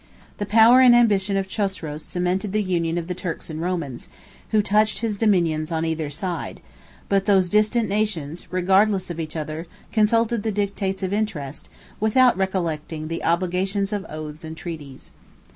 The power and ambition of Chosroes cemented the union of the Turks and Romans, who touched his dominions on either side: but those distant nations, regardless of each other, consulted the dictates of interest, without recollecting the obligations of oaths and treaties.